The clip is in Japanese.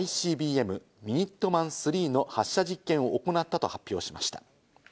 「ミニットマン３」の発射実験を行ったと発表しました。